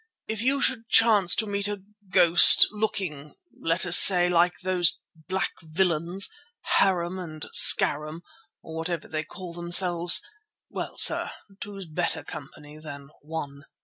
If you should chance to meet a ghost looking, let us say, like those black villains, Harum and Scarum, or whatever they call themselves—well, sir, two's better company than one."